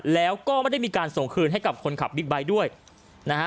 แล้วก็ไม่ได้มีการส่งคืนให้กับคนขับบิ๊กไบท์ด้วยนะฮะ